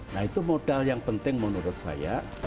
nah itu modal yang penting menurut saya